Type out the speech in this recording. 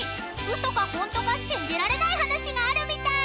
［嘘かホントか信じられない話があるみたい］